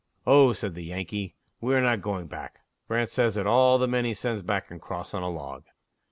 "Oh," said the Yankee, "we are not going back. Grant says that all the men he sends back can cross on a log."